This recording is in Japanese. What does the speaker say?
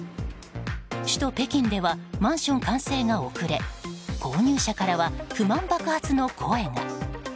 首都・北京ではマンション完成が遅れ購入者からは不満爆発の声が。